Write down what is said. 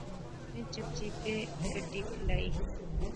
میں چپ چپیتے گڈی کھلائی